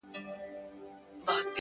د غم شپيلۍ راپسي مه ږغـوه ـ